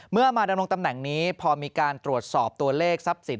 มาดำรงตำแหน่งนี้พอมีการตรวจสอบตัวเลขทรัพย์สิน